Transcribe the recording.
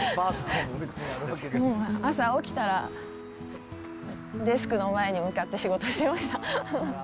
もう朝起きたら、デスクの前に向かって仕事してました。